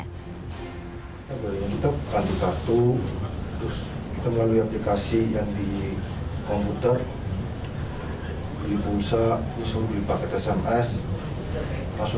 kita berhenti untuk kartu kartu terus kita melalui aplikasi yang di komputer beli pulsa terus beli paket sms